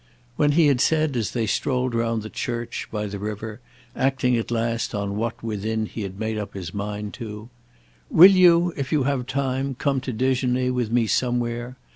When he had said as they strolled round the church, by the river, acting at last on what, within, he had made up his mind to, "Will you, if you have time, come to déjeuner with me somewhere?